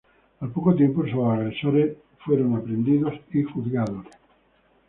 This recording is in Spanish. Al poco tiempo sus agresores fueron aprendidos y juzgados.